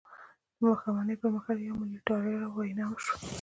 د ماښامنۍ پر مهال د يوه ميليارد ډالرو وينا وشوه.